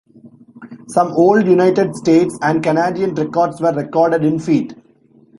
Some old United States and Canadian records were recorded in feet.